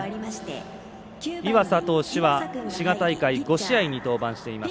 岩佐投手は滋賀大会５試合に登板しています。